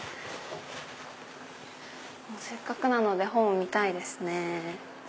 せっかくなので本を見たいですね。